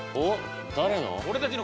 誰の？